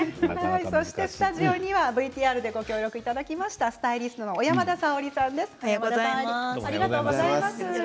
スタジオにはＶＴＲでご協力いただいたスタイリストの小山田早織さんです。